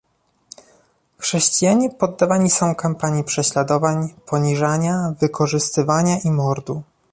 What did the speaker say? Chrześcijanie poddawani są kampanii prześladowań, poniżania, wykorzystywania i mordu